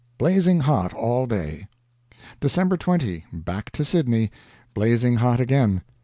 Blazing hot, all day. December 20. Back to Sydney. Blazing hot again.